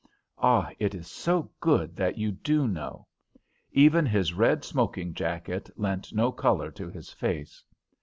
Ah, it is so good that you do know! Even his red smoking jacket lent no colour to his face.